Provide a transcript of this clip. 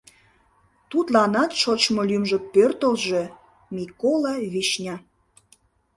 Тудланат шочмо лӱмжӧ пӧртылжӧ: Микола Вишня!